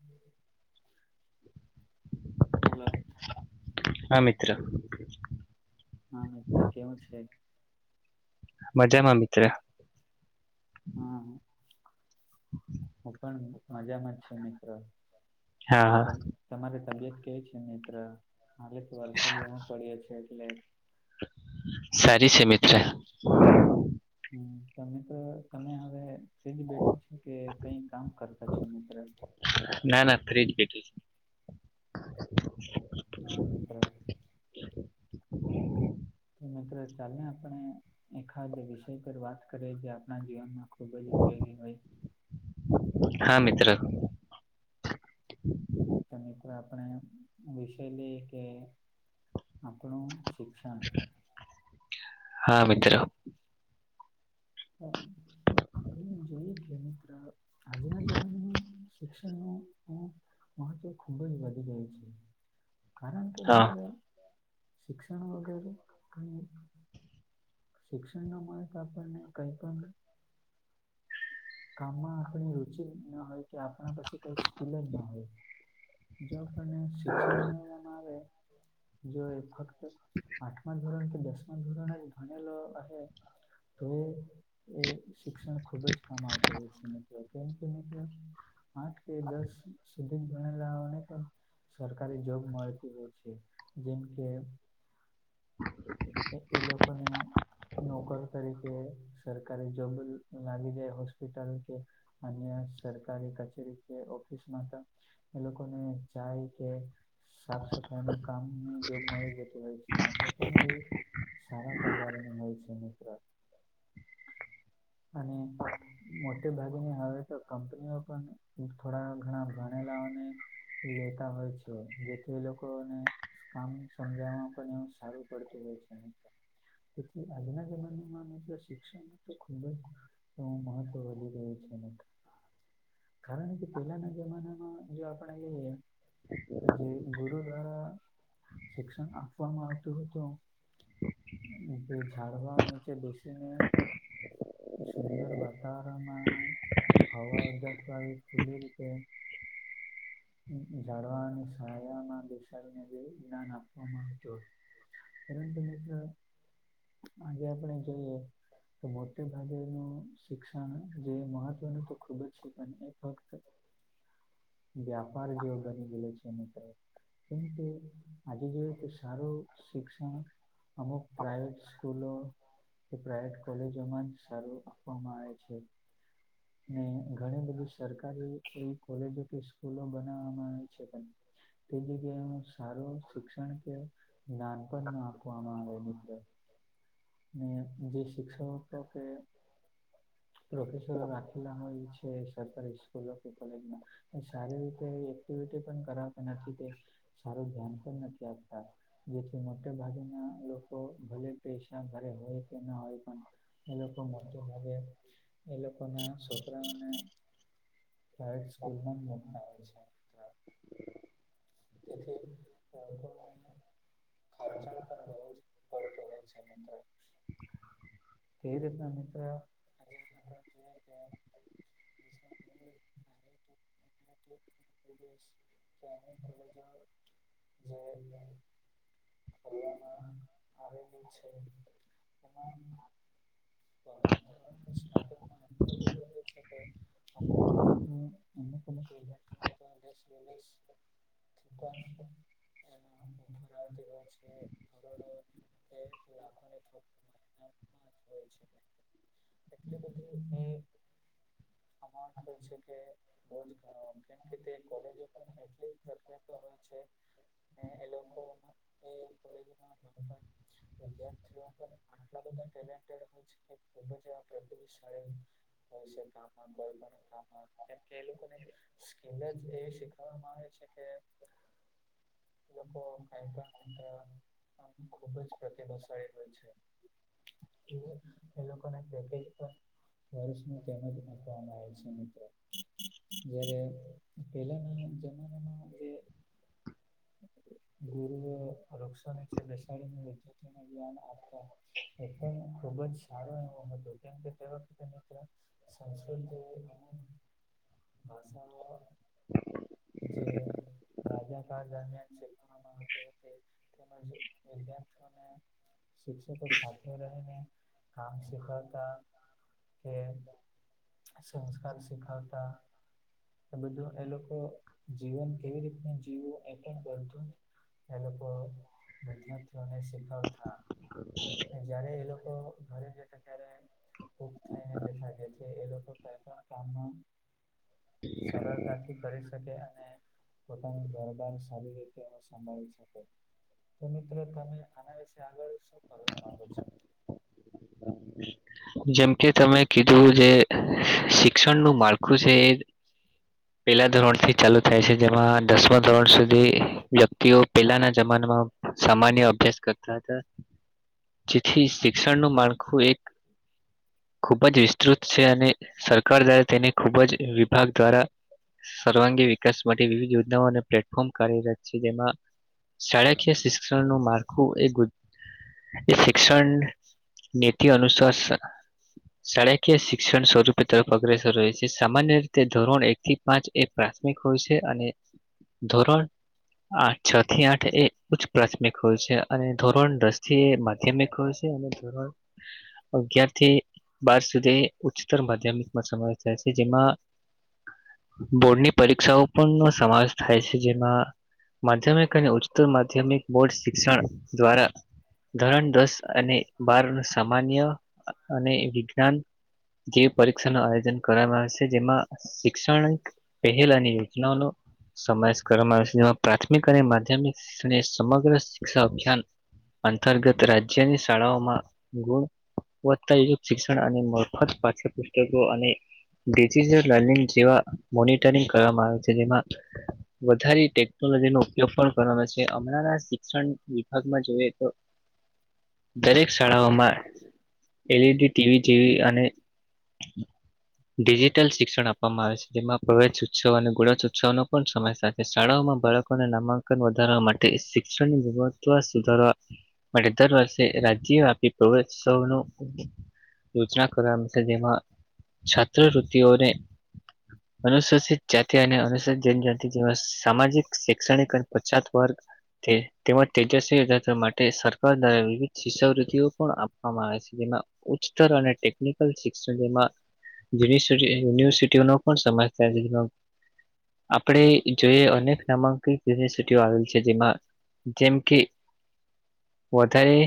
હમ. Hello. હા મિત્ર. હા મિત્ર કેવું છે. મજામાં મિત્ર હા હું પણ મજામાં જ છ મિત્ર હા હા તમ તમારે તબિયત કેવી છે મિત્ર હાલે તો વરસાદ ધણો પડ્યો છે એટલે. સારી છે મિત્ર. હ તો મિત્રો તમે હવે ફ્રી જ બેઠા છો કે કઈ કામ કરતા છો મિત્ર ના ના ફ્રી જ બેઠું. હા મિત્ર. મિત્ર ચાલલે આપણે એખાદ વિષય પર વાત કરીએ જે આપણા જીવનમાં ખુબ જ ઉપયોગી હોય. હા મિત્ર હ તો મિત્રો આપણે વિષય લઈએ કે આપણું શિક્ષણ હા મિત્ર હ આપણે જોઈએ, કે મિત્ર આજના જમાનામાં શિક્ષણનું મહત્વ ખુબ જ વધી ગયુ છે. કારણ કે હા મિત્ર શિક્ષણ વગેરે કઇ, શિક્ષણ ન મળે તો આપણને કઈ પણ કામમાં આપણી રુચિ ના હોય કે આપણા પાસે કઈ સ્કીલ જ ના હોય. જો આપને શિક્ષણ મેળવવામાં આવે જો, એ ફક્ત આઠમા ધોરણ કે દશમા ધોરણ ભણેલો હ તો એ શિક્ષણ ખુબ જ કામ આવતું હોય છે. કેમ કે મિત્ર આઠ કે દસ સુધી ભણેલાને પણ સરકારી જોબ મળતી હોય છે, જેમ કે હ. એ લોકોને નોકર તરીકે સરકારી જોબ લાગી જાય હોસ્પિટલ કે અન્ય સરકારી કચેરી કે ઓફિસમાં તો એ લોકોને જાય કે સાફ સફાઈ નું કામ ની જોબ મળી જતી હોય છે. એ પણ એ સારા પગારની હોય છે, મિત્ર અને મોટે ભાગે ની હવે તો કંપનીઓ પણ થોડા ઘણા ભણેલાને લેતા હોય છે, જેથી એ લોકોને કામ સમજાવવામાં પણ એવું સારું પડતું હોય છે, મિત્ર તેથી આજના જમાના મા મિત્ર શિક્ષણ તો ખૂ ખૂબ મહત્વ વધી ગયુ છે, મિત્ર કારણ કે પેલાના જમાનામાં જો આપણે જઈએ. તો જે ગુરુ દ્વારા શિક્ષણ આપવામાં આવતું હતુ. જે ઝાડવા નીચે બેેશીને સુંદર વાતાવરણમાં હવા ઉજાસ આવી ખુલ્લી રીતે ઝાળવાની સાયામાં બેસાડીને બે ઇરાન આપવામાં આવતો હતુ. પરંતુ મિત્ર આજે આપણે જોઈએ. તો મોટે ભાગેનું શિક્ષણ જે મહત્ત્વનું તો ખૂબ જ છે, પણ એ ફક્ત વ્યાપાર જેવો બની ગયલો છે, મિત્ર કેમ કે આજે જોએ તે સારું શિક્ષણ અમુક પ્રાઈવેટ સ્કૂલો કે પ્રાઇવેટ કોલેજોમાં જ સારું આપવામાં આવે છે. ને ઘણી બધી સરકારી એવી કોલેજો કે સ્કૂલો બનાવવામાં આવે છે તે જગ્યા સારું શિક્ષણ કે જ્ઞાન પણ ના આપવામાં આવે મિત્ર ને જે શિક્ષકો કે પ્રોફેસરો રાખેલા હોય છે. સરકારી સ્કૂલો કે કોલેજમાં એ સારી રીતે એક્ટિવિટી પણ કરાવતા નથી, કે સારું ધ્યાન પણ નથી, આપતા જેથી મોટા ભાગના લોકો ભલે પેશ ઘરે હોય કે ના હોય, પણન એ લોકો લોકો મોટેભાગે એ લોકો ના છોકરાઓને પ્રાઇવેટ સ્કૂલમાં મક આવે છે. એટલે બાળકોને ખર્ચાણ પણ બહુ જ પડત હોય છે, મિત્ર તે રીત ન મિત્ર [unintelligible] [inaudible] [unintelligible] ત્યાંની કોલેજો જે ફરવામાં આવેલી છે, તેમાં [unintelligible] ધોરણ સ્ટાર્ટિંગમાં આટલો બધો હોય છે, કે અમુક [inaudible] કોણ. [inaudible] પાચ હોય છે. એટલે બધી એ આમા [unintelligible] કે છે, કે બોજ ઘણો આમ કેમ કે તે કોલેજો પણ એટલી પ્રખીયાતો હોય છે. ને એલોકો એ કોલેજમાં ભણતા વિદ્યાર્થી આટલા બધા ટેલેન્ટેડ હોય છે, કે ખૂબ જ એવા પ્રતિભાશાળી હો છે, કામમાં કોઈ પણ હા હા કેમકે એ લોકોને સ્કીલ જ એવી શીખવામાં આવે છે, કે એ લોકો [inaudible] ખુબ જ પ્રતિભાશાળી હોય છે, એ એ લો લોકોના પેકેજ ઉપર વર્ષ નુ તેમજ [unintelligible] [inaudible] જ્યારે પેલાના જમાનામાં એ ગુરુ વૃક્ષો નીચે બેસાડીને વિતિને જ્ઞાન આપતા એ પણ ખુબ જ સારો એવો હતો કેમ કે તે વખતે મિત્ર સંસ્કૃતે એ [unintelligible] ભાષાઓ જે રાજા દરમિયાન શીખવામાં તેમજ વિદ્યાર્થીઓને શિક્ષકો સાથે રહીને કામ શીખવતા કે સંસ્કાર શીખવતા આ બધું એ લોકો જીવન કેવી રીતને જીવવું એ પણ બધુ એ લોકો વિદ્યાર્થીઓને શીખાવતા જયારે એ લોકો ઘરે જતા ત્યારે ખૂબ થાય ને કે થાગે છે એ લોકો કંઈ પણ કામનું સરળતાથી કરી શકે અને પોતાની સારી રીતે એ સંભાળી શકે તો મિત્રો તમે આના વિશે આગળ શું કરવા માગો છો? હ જેમ કે તમે કીધું જે શિક્ષણનું માળખું છે, એ [unintelligible] પેલા ધોરણથી ચાલુ થાય છે, જેમાં દસમ ધોરણ સુધી વ્યક્તિઓ પહેલાના જમાનામાં સામાન્ય અભ્યાસ કરતા હતા હ જેથી શિક્ષણનું માળખું એક ખૂબ જ વિસ્તૃત છે, અને સરકાર દ્વારા તેને ખૂબ જ વિભાગ દ્વારા સર્વાંગી વિકાસ માટે વિવિધ યોજનાઓ અને પ્લેટફોર્મ કાર્યરત છે, જેમાં શાળાકીય શિક્ષણ નુ માળખું એ ગુ એ શિક્ષણ નીતિ અનુસસ શાળકીય શિક્ષણ સ્વરૂપ તરફ અગ્રેસર હોય છે, સામાન્ય રીતે ધોરણ એકથી પાંચ એ પ્રાથમિક હોય છે, અને ધોરણ આઠ છથી આઠ એ ઉચ્ચ પ્રાથમિક હોય છે, અને ધોરણ દસથી એ માધ્યમિક હોય છે, અને ધોરણ અગીયાર થી બાર સુધી ઉચ્ચતર માધ્યમિકમાં સમાવેશ થાય છે, જેમાં બોર્ડની પરીક્ષાઓ પણ સમાવેશ થાય છે જેમાં. માધ્યમિક અને ઉચ્ત માધ્યમિક બોર્ડ શિક્ષણ દ્વારા. ધરણ દસ અને બાર ન સામાન્ય અને વિજ્ઞાન જે પરીક્ષા ન આયોજન કરવામાં આવે છે જેમાં શિક્ષણ. પહેલાની યોજનાઓ નો. સમાવેશ કરવામાં આવે છે જેમાં પ્રાથમિક અને માધ્યમિક શ્ષ સમગ્ર શિક્ષા અભિયાન. અંતર્ગત રાજ્યની શાળાઓમાં ગુણ. વધતાુત શિક્ષણ અને મફત પાઠ્ય પુસ્તકો અને ડિટલ લર્નિંગ જેવા મોનિટરિંગ કરવામાં આવે છે જેમાં. [inaudible] વધારે ટેકનોલોજી નો ઉપયોગ પણ કરવાનો છે હમણાં શિક્ષણ વિભાગમાં જોઈએ તો. [inaudible] દરેક શાળાઓમાં. [inaudible] એલઈડી. ટીવી જેવી અને ડિજિટલ શિક્ષણ આપવામાં આવે છે જેમાં પ્રવેેશ. છો ને ગુળો છો નો પણ સમય થાય. શાળાઓમાં બાળકોને નામાંકન વધારવા માટે શિક્ષણની ગુણત્વ સુધારવા. માટે દર વર્ષે એલાઈચી હતી તોચ. દોનો ઉછાકરવા ન કર છે જેમાં છાત્રવૃત્તિઓને. અનુસૂચિત જાતિ અને અનુસચિત જનજતિ. જે સામાજિક શૈક્ષણિક અને પછાત વર્ગ. તેમજ તેજસ્વી એજાશ માટે સરકાર દ્વારા વિવિધ શિષૃતિઓ પણ આવે છે જેમાં ઉચ્ચતર અને ટેકનિકલ શિક્ષણ જેમાં. મીનિશર યુનિવર્સિટીઓ નો પણ સમમાસ ક ઈદીનો. આપણે જોઈએ અનેક નામાંકિત યુનિવર્સિટીઓ આવેલ છે જેમાં. જેમ કે વધારે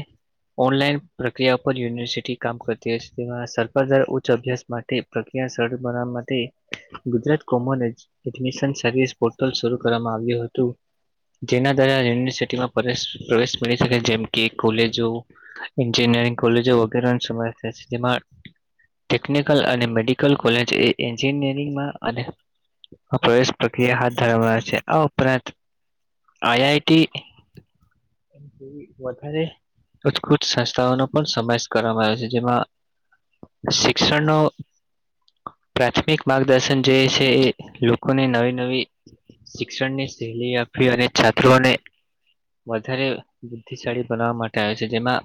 ઓનલાઈન. પ્રક્રિયા પરર યુનિવર્સિટી કામ કરતી હોય છે તે સરાર ઉચ્ચ અભ્યાસ માટે પ્રક્રિયા સરળ બનાવા માટે. Gujarat common admission services portal શરૂ કરવામાં આવ્યું હતું. જેના દ્વારા યુનિવર્સિટીમાં પ્રેશ પ્રવેશ મળી શકે જેમ કે કોલેજો. એન્જિનિયરિંગ કોલેજો વગેરેનો સમ થ છે, જેમા ટેકનિકલ અને મેડિકલ કોલેજ એ એન્જિનિયરિંગમાં અને પ્રેશ પ્રક્રિયા હાથ ધરવાના છે આ ઉપરાંત આઈઆઈટી. એ વધારે તુજ કુત સંસ્થાઓનો પણ સમાવેશ કરવામાં આવ્યો છ, જેમાં શિક્ષણનો પ્રાથમિક માર્ગદર્શન જે છે, એ લોકોને નવી નવી શિક્ષણને શૈલી આપી અને છાત્રોને. વધારે બુદ્ધિશાળી બનાવા માટે આવે છે, જેમા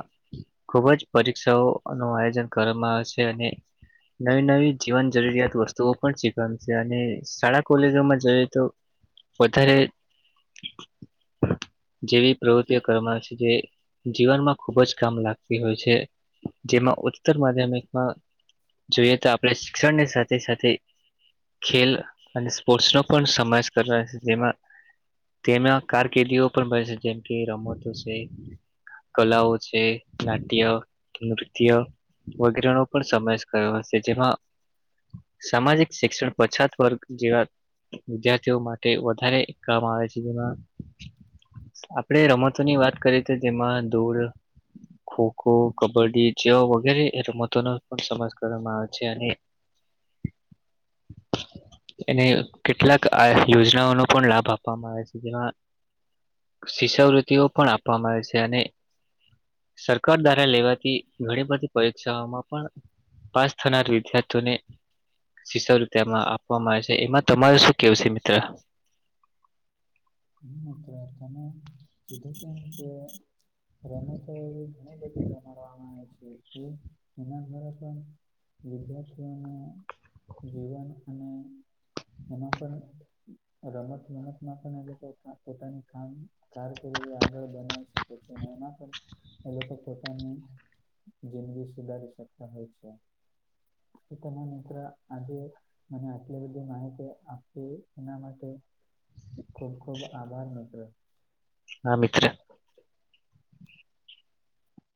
ખુબ જ પરીક્ષાઓ નું આયોજન કરવામાં આવેશે અને નવી નવી જીવન જરૂરિયાત વસ્તુઓ પણ શીખણશે અને શાળા કોલેજોમાં જઈએ તો વધારે જેવી પ્રવૃતિઓ કર છે, જે જીવનમાં ખુબજ લાગતી હોય છે, જેમાં ઉતર માધ્યમિકમાં જોઈએ તો ફેશ શિક્ષણ ની સાથે સાથે ખેલ અને સ્પોર્ટ્સ નો પણ સમાવેશ કર છે, જેમાં તેમાં કારકિર્દીઓ પણ બ છે જેમ કે રમત હશે કલાઓ નાટ્ય નૃત્ય વગેરેનો પણ સમાવેશ કર્યો હશે, જેમાં [inaudible] સામાજિક શિક્ષણ પછાત વર્ગ જેવાત વિદ્યાર્થીઓ માટે વધારે કામ આવે છે, જેમા આપણેે રમતોની વાત કરીએ તો જેમાં દૂળ ખો ખો કબડ્ડી જેવા વગેરે એ રમતો ન પણ સમાસ કરવામાં આવે છે, અને અનેને કેટલાક આ યોજનાઓનો પણ લાભ આપવામાં આવે છે, જેમાં શિષાવૃત્તિઓ પણ આપવામાં આવે છે, અને સરકાર દ્વારા લેવાથી ઘણી બધી પરીક્ષાઓમાં પણ પાસ થનાર વિદ્યાર્થીઓને સીસો રૂપિયામાં આપવામાં આવે છે એમાં તમાર શું કેવું છે, મિત્ર નકરાારખ જધ ત રમતો એવી ઘણી બધી રમવામાં આવે છે, એનાંદ વિદ્યાર્થીઓનું જીવન અને અને એમાં પણ રમત રમતમાં પણ પોતાની કામ કારકિર્દી આગળ બનાવી શકે છે એમાં પણ એ લોકો પોતાની જિંદગી સુધારી શકતા હોય છે. ચ તના મિત્ર આજે મને આટલી બધી માહિતી આપવી એના માટે ખૂબ ખૂબ આભાર મિત્રો હ મિત્ર